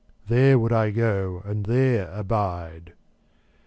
There would I go and there abide."